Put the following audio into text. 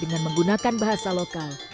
dengan menggunakan bahasa lokal